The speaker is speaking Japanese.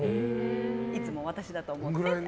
いつも私だと思ってって。